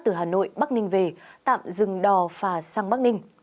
từ hà nội bắc ninh về tạm dừng đò phà sang bắc ninh